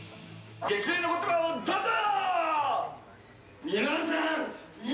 激励の言葉をどうぞ！